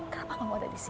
kenapa kamu ada disini